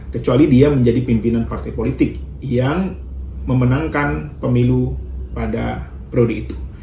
kecuali dia menjadi pimpinan partai politik yang memenangkan pemilu pada periode itu